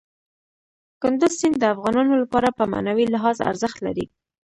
کندز سیند د افغانانو لپاره په معنوي لحاظ ارزښت لري.